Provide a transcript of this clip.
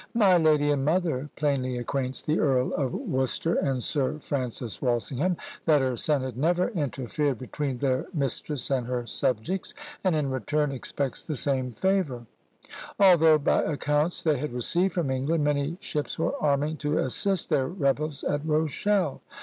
"My lady and mother" plainly acquaints the Earl of Worcester and Sir Francis Walsingham, that her son had never interfered between their mistress and her subjects, and in return expects the same favour; although, by accounts they had received from England, many ships were arming to assist their rebels at Rochelle.